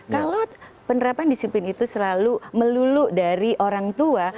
kalau penerapan disiplin itu selalu melulu dari orang tua